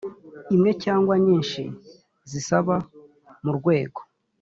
imwe cyangwa nyinshi zisaba mu rwego